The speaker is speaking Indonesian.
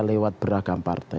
lewat beragam partai